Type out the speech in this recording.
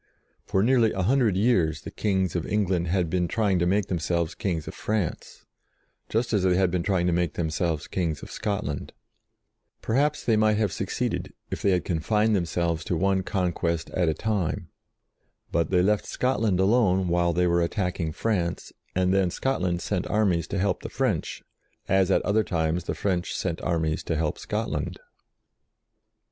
For nearly a hundred years the kings of England had been trying to make themselves kings of France, just as they had been trying to make themselves kings of Scotland. Perhaps they might have succeeded, if they had confined themselves HER CHILDHOOD 3 to one conquest at a time. But they left Scotland alone while they were attacking France, and then Scotland sent armies to help the French, as at other times the French sent armies to help Scotland.